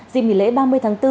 dịp nghỉ lễ ba mươi tháng bốn